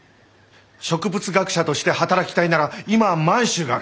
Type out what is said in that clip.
植物学者として働きたいなら今は満州がある！